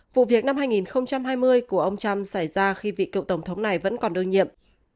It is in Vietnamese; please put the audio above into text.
vụ việc năm hai nghìn hai mươi của ông trump xảy ra khi vị cựu tổng thống này vẫn còn đơn nhiệm